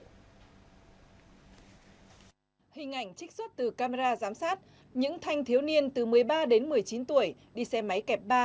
hình ảnh trích xuất từ camera giám sát những thanh thiếu niên từ một mươi ba đến một mươi chín tuổi đi xe máy kẹp ba